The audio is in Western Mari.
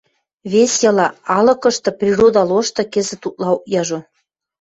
Вес дела: алыкышты, природа лошты, кӹзӹт утлаок яжо...